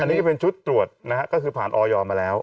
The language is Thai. อันนี้ก็เป็นชุดตรวจนะฮะก็คือผ่านออยมาแล้ว